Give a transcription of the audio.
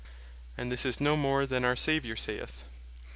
And this is no more than our Saviour saith (Mat.